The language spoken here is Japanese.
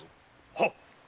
はっ。